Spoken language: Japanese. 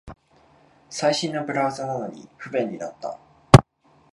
最新のブラウザなのに不便になった